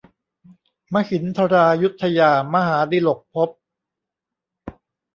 มหินทรายุทธยา มหาดิลกภพ